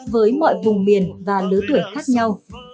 với mọi vùng miền và lứa tuổi khác nhau